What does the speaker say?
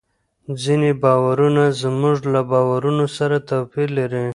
ځینې باورونه زموږ له باورونو سره توپیر لري.